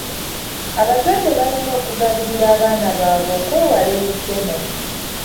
Abazadde balina okugabirira abaana baabwe okwewala ebikemo.